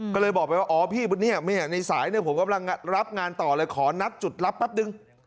ก็เลยบอกไปว่าอ๋อพี่เนี่ยในสายเนี่ยผมกำลังรับงานต่อเลยขอนัดจุดรับแป๊บนึง